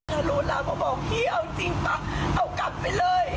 ถ้ารู้แล้วก็บอกพี่เอาจริงป่ะเอากลับไปเลย